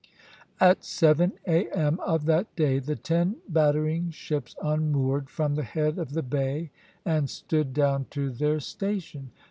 At seven A.M. of that day the ten battering ships unmoored from the head of the bay and stood down to their station.